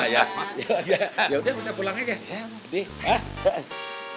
ya yaudah kita pulang aja